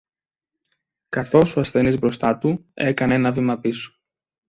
καθώς ο ασθενής μπροστά του έκανε ένα βήμα πίσω